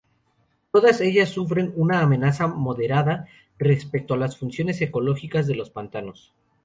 Todas ellas sufren una amenaza moderada respecto a las funciones ecológicas de los pantanos.